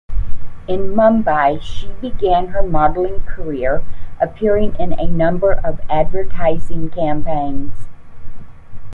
In Mumbai, she began her modelling career, appearing in a number of advertising campaigns.